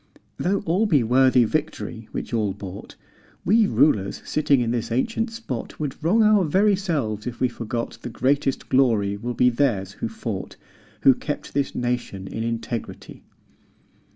Though all be worthy Victory which all bought, We rulers sitting in this ancient spot Would wrong our very selves if we forgot The greatest glory will be theirs who fought, Who kept this nation in integrity."